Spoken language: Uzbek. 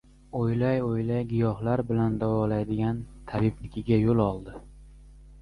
Oʻylay-oʻylay giyohlar bilan davolaydigan tabibnikiga yoʻl oldi.